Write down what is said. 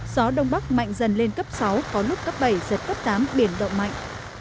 gió đông bắc mạnh dần lên cấp sáu có lúc cấp bảy giật cấp tám biển động mạnh